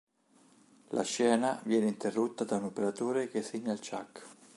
La scena viene interrotta da un operatore che segna il ciak.